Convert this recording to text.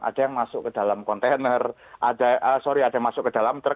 ada yang masuk ke dalam kontainer